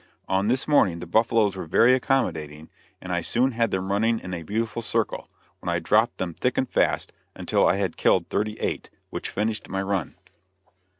On this morning the buffaloes were very accommodating, and I soon had them running in a beautiful circle, when I dropped them thick and fast, until I had killed thirty eight; which finished my run.